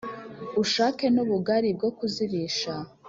Ushake n'ubugali bwo kuzirisha